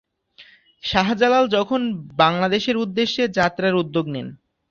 শাহ জালাল যখন বাংলাদেশের উদ্দেশ্যে যাত্রার উদ্যোগ নেন।